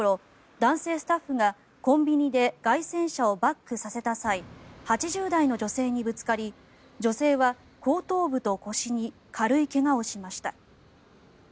男性スタッフがコンビニで街宣車をバックさせた際８０代の女性にぶつかり女性は後頭部と腰に軽い怪我をしました。